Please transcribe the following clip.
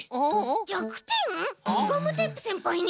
ガムテープせんぱいに。